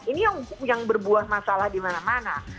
ini yang berbuah masalah di mana mana